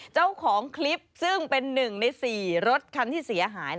เจ้าของคลิปซึ่งเป็น๑ใน๔รถคันที่เสียหาย